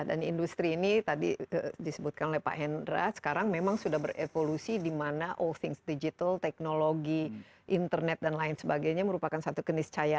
dan industri ini tadi disebutkan oleh pak hendra sekarang memang sudah berevolusi di mana all things digital teknologi internet dan lain sebagainya merupakan satu keniscayaan